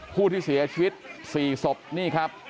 ผู้ที่เสียชีวิต๔ศพนี่ครับ